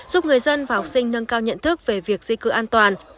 giúp người dân và học sinh nâng cao nhận thức về việc di cư an toàn